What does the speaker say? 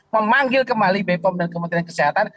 memanggil kembali bepom dan kementerian kesehatan